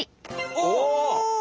お！